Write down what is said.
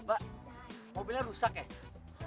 mbak mobilnya rusak ya